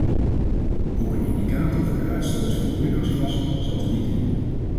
Ook een indicator voor de uitstoot van broeikasgassen zat er niet in.